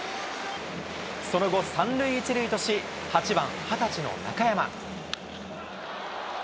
その後、３塁１塁とし、８番、２０歳の中山。